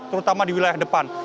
terutama di wilayah depan